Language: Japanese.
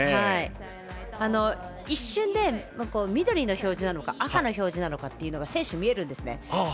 一瞬で緑の表示なのか赤の表示なのかというのが選手に見えるんですね。